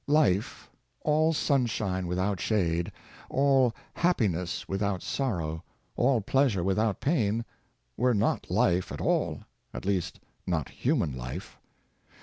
Life, all sunshine without shade, all happiness without sorrow, all pleasure without pain, were not life at all — at least not human life.